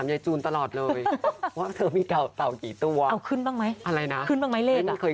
นิ้วโป้งถัดเพลิงขาแล้วแล้วแป้งโรยเลย